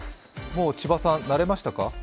もう千葉さん、慣れましたか？